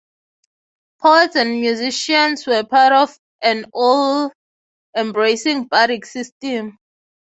The poets and musicians were part of an all-embracing bardic system.